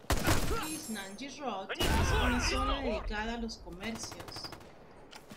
East Nanjing Road es una zona dedicada a los comercios.